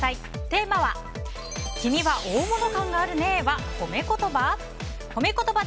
テーマは君は大物感があるねぇはホメ言葉？